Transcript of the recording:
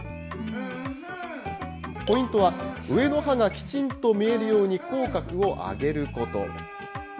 ポイントは、上の歯がきちんと見えるように口角を上げること。